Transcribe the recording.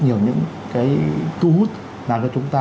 nhiều những cái thu hút làm cho chúng ta